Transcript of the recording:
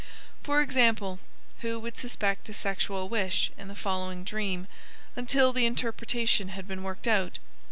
For example, who would suspect a sexual wish in the following dream until the interpretation had been worked out?